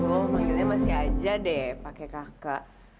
oh manggilnya masih aja deh pakai kakak